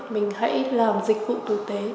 mình hãy làm dịch vụ tử tế